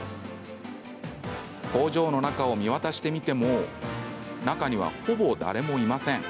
工場の中を見渡してみても中には、ほぼ誰もいません。